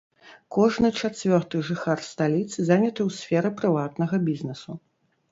Кожны чацвёрты жыхар сталіцы заняты ў сферы прыватнага бізнэсу.